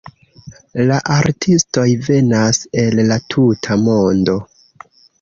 La artistoj venas el la tuta mondo.